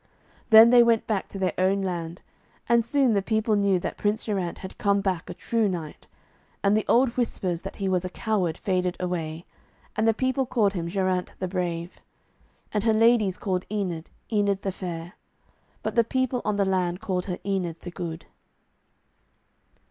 Then they went back to their own land. And soon the people knew that Prince Geraint had come back a true knight, and the old whispers that he was a coward faded away, and the people called him 'Geraint the Brave.' And her ladies called Enid, 'Enid the Fair,' but the people on the land called her 'Enid the Good.'